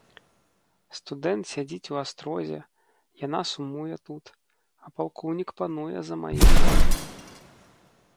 Студэнт сядзіць у астрозе, яна сумуе тут, а палкоўнік пануе за мае грошы.